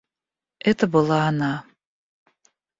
Это была она.